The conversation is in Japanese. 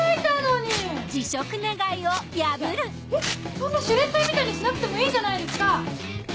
そんなシュレッダーみたいにしなくてもいいじゃないですか！